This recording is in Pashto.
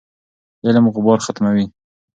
علم غبار ختموي.